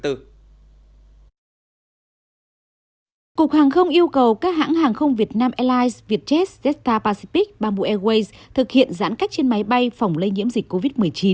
cục hàng không yêu cầu các hãng hàng không việt nam airlines vietjet esta pacific bamboo airways thực hiện giãn cách trên máy bay phòng lây nhiễm dịch covid một mươi chín